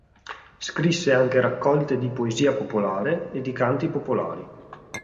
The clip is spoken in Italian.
Scrisse anche raccolte di poesia popolare e di canti popolari.